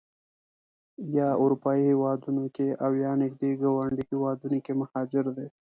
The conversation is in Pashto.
یا اروپایي هېوادونو کې او یا نږدې ګاونډیو هېوادونو کې مهاجر دي.